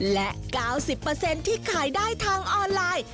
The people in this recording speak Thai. และ๙๐ที่ขายได้ทางออนไลน์